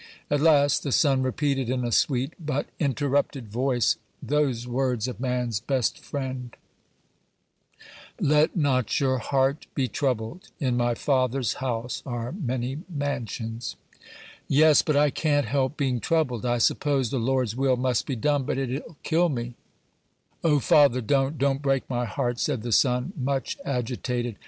At last the son repeated, in a sweet, but interrupted voice, those words of man's best Friend: "Let not your heart be troubled; in my Father's house are many mansions." "Yes; but I can't help being troubled; I suppose the Lord's will must be done, but it'll kill me." "O father, don't, don't break my heart," said the son, much agitated.